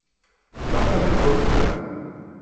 Matt ad iḥudd Dan.